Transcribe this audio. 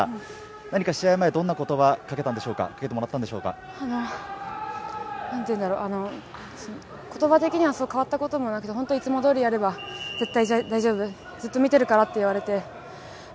何か試合前、どんなことばかけたんでしょうか、かけてもらったんでしょうか？なんていうんだろう、ことば的には変わったこともなく、本当、いつもどおりやれば、絶対大丈夫、ずっと見てるからって言われて。